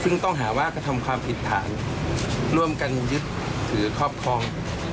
ซึ่งต้องหาว่ากระทำความผิดฐานร่วมกันยึดถือครอบครอง